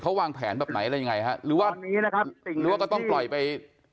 เขาวางแผนแบบไหนอะไรยังไงฮะหรือว่าก็ต้องปล่อยไป